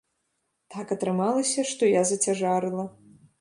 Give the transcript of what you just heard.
Так атрымалася, што я зацяжарыла.